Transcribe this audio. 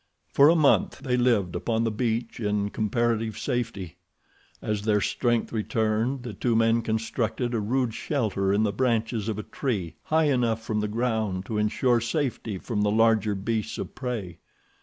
For a month they lived upon the beach in comparative safety. As their strength returned the two men constructed a rude shelter in the branches of a tree, high enough from the ground to insure safety from the larger beasts of prey.